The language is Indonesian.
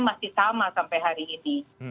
masih sama sampai hari ini